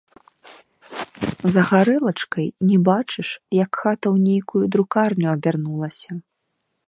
За гарэлачкай не бачыш, як хата ў нейкую друкарню абярнулася.